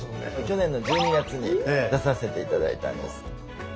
去年の１２月に出させて頂いたんです。